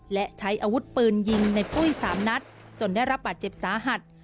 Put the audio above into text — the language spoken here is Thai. และใช้อาวุธปืนยิงในปุ้ย๓นัดจนได้รับบาดเจ็บสาหัส